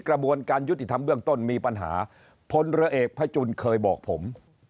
กระบวนการยุติธรรมเบื้องต้นมีปัญหาพลเรือเอกพระจุลเคยบอกผม